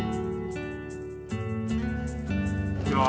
こんにちは。